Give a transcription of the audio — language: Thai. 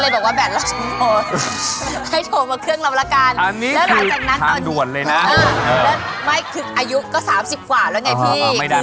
เลยเป็นนอนกินอิติม